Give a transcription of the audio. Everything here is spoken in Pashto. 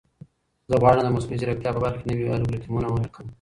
زه غواړم د مصنوعي ځیرکتیا په برخه کې نوي الګوریتمونه ولیکم.